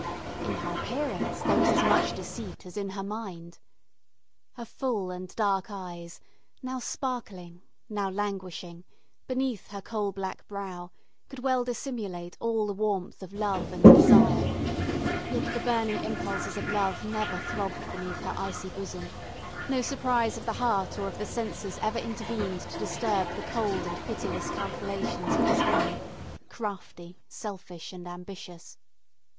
In her appearance, there was as much deceit as in her mind. Her full and dark eyes, now sparkling, now languishing, beneath her coal black brow, could well dissimulate all the warmth of love and desire. Yet the burning impulses of love never throbbed beneath her icy bosom; no surprise of the heart or of the senses ever intervened to disturb the cold and pitiless calculations of this woman, crafty, selfish, and ambitious.